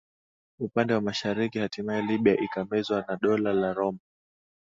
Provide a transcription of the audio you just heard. upande wa mashariki Hatimaye Libya ikamezwa na Dola la Roma